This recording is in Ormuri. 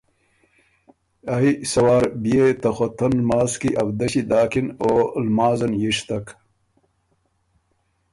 ائ سۀ وار بيې ته خُوتن لماز کی اؤدݭی داکِن او لمازن یِشتک۔